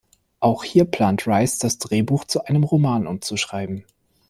Auch hier plante Rice, das Drehbuch zu einem Roman umzuschreiben.